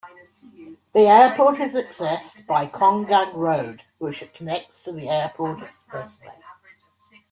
The airport is accessed by Konggang Road, which connects to the Airport Expressway.